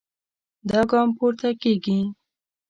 دا ګام پورته کېږي.